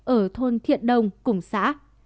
ở thôn thiện đông cùng xã